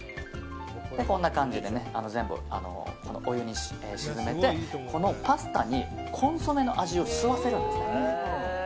こんな感じでね全部、お湯に沈めてこのパスタにコンソメの味を吸わせるんです。